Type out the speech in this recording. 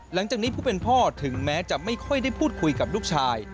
หลังจากนี้ผู้เป็นพ่อถึงแม้จะไม่ค่อยได้พูดคุยกับลูกชาย